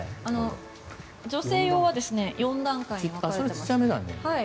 女性用は４段階に分かれていまして。